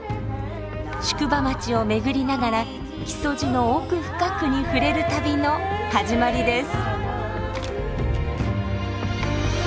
宿場町を巡りながら木曽路の奥深くに触れる旅の始まりです。